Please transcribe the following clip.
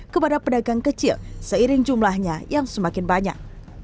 kepada pedagang kecil seiring jumlahnya yang semakin banyak